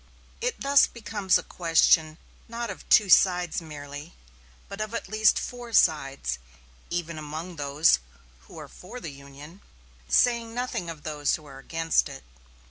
It thus becomes a question not of two sides merely, but of at least four sides, even among those who are for the Union, saying nothing of those who are against it.